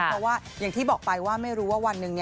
เพราะว่าอย่างที่บอกไปว่าไม่รู้ว่าวันหนึ่ง